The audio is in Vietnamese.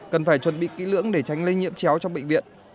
cần phải chuẩn bị kỹ lưỡng để tránh lây nhiễm chéo trong bệnh viện